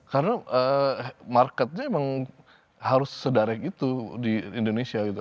karena marketnya memang harus sederek itu di indonesia gitu